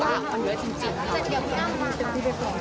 โอเคไหมครับ